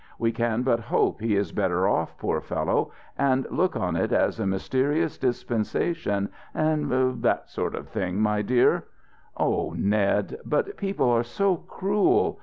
We can but hope he is better off, poor fellow, and look on it as a mysterious dispensation and that sort of thing, my dear " "Oh, Ned, but people are so cruel!